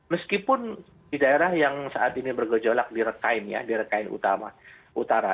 meskipun di daerah yang saat ini bergejolak di rekain ya di rekain utama utara